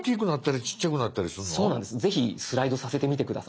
ぜひスライドさせてみて下さい。